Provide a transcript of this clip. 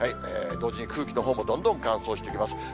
同時に空気のほうもどんどん乾燥してきます。